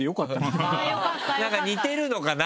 なんか似てるのかな